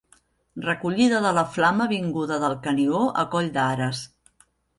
Recollida de la Flama vinguda del Canigó a Coll d'Ares.